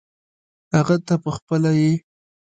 هغه ته پخپله یې .